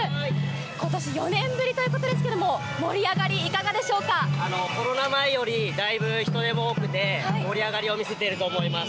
ことし４年ぶりということですけれども、盛り上がり、コロナ前よりだいぶ人出も多くて、盛り上がりを見せていると思います。